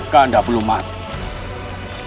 kakanda belum mati